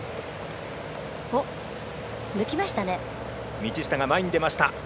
道下が前に出ました。